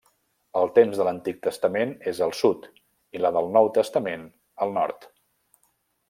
El temps de l'Antic Testament és al sud i la del Nou Testament al nord.